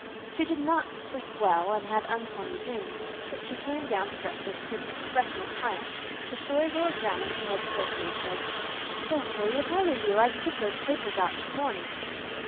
She did not sleep well and had uncanny dreams, but she came down to breakfast with an expression of triumph. The Story Girl examined her head critically and said, "Cecily, if I were you I'd take those papers out this morning."